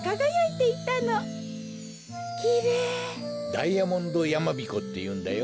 ダイヤモンドやまびこっていうんだよ。